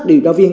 điều tra viên